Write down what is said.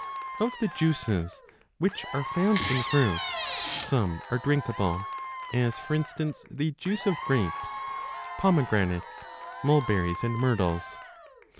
Of the juices which are found in fruits, some are drink able, as, for instance, the juice of grapes, pomegranates, 3 mulberries, and myrtles.